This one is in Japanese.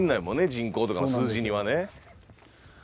人口とかの数字にはね。